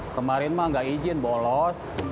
kemarin mah gak izin bolos